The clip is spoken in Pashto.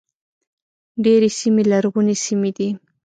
ډېرې سیمې لرغونې سیمې دي.